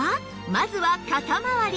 まずは肩まわり